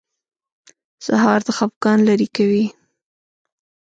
سهار د خفګان لرې کوي.